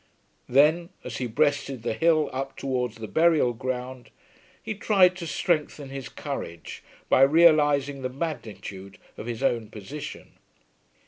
Then, as he breasted the hill up towards the burial ground, he tried to strengthen his courage by realizing the magnitude of his own position.